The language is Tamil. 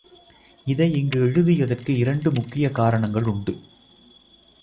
இதை இங்கு எழுதியதற்கு இரண்டு முக்கியக் காரணங்களுண்டு.